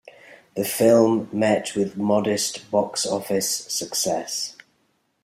The film met with modest box office success.